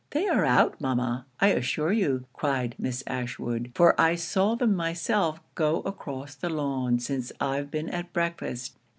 'They are out, mama, I assure you,' cried Miss Ashwood, 'for I saw them myself go across the lawn since I've been at breakfast.